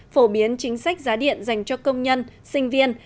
phổ biến chính sách giá điện dành cho công nhân sinh viên